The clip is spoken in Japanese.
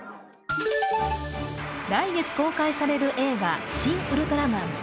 来月公開される映画「シン・ウルトラマン」。